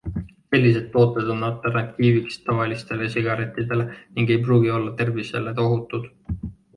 Sellised tooted on alternatiiviks tavalistele sigarettidele ning ei pruugi olla tervisele ohutud.